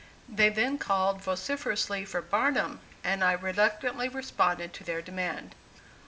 They then called vociferously for "Barnum," and I reluctantly responded to their demand.